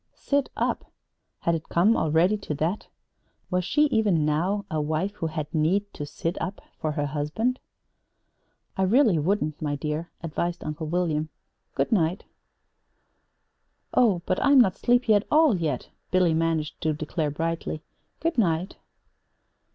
Sit up! Had it come already to that? Was she even now a wife who had need to sit up for her husband? "I really wouldn't, my dear," advised Uncle William again. "Good night." "Oh, but I'm not sleepy at all, yet," Billy managed to declare brightly. "Good night."